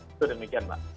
itu demikian mbak